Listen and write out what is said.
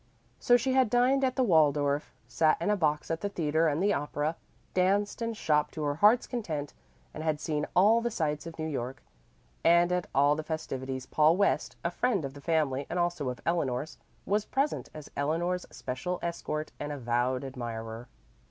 So she had dined at the Waldorf, sat in a box at the theatre and the opera, danced and shopped to her heart's content, and had seen all the sights of New York. And at all the festivities Paul West, a friend of the family and also of Eleanor's, was present as Eleanor's special escort and avowed admirer.